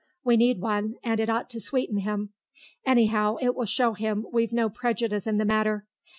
We need one, and it ought to sweeten him. Anyhow it will show him we've no prejudice in the matter.